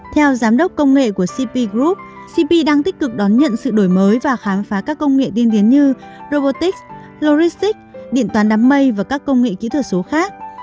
theo giám đốc công nghệ của cp group cp đang tích cực đón nhận sự đổi mới và khám phá các công nghệ tiên tiến như robotics logistic điện toán đám mây và các công nghệ kỹ thuật số khác